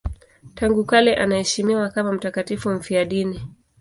Tangu kale anaheshimiwa kama mtakatifu mfiadini.